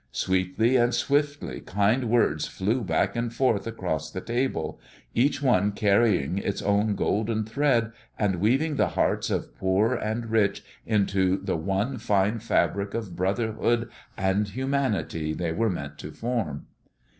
Sweetly and swiftly kind words flew back and forth across the table, each one carrying its own golden thread and weaving the hearts of poor and rich into the one fine fabric of brotherhood and humanity they were meant to form.